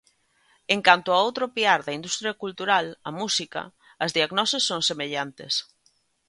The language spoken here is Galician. En canto ao outro piar da industria cultural, a música, as diagnoses son semellantes.